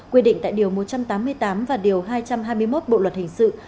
quy định tại điều một trăm tám mươi tám và điều hai trăm hai mươi một bộ luật hình sự